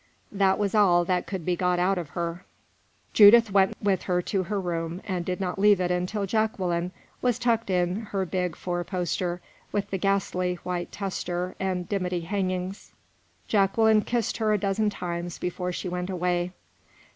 That was all that could be got out of her. Judith went with her to her room, and did not leave it until Jacqueline was tucked in her big four poster, with the ghastly white tester and dimity hangings. Jacqueline kissed her a dozen times before she went away.